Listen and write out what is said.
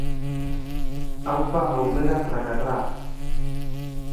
Aupa Aurrera Trakatra!